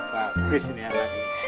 pak kris ini ada